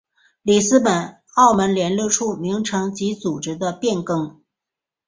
里斯本澳门联络处名称及组织的变更。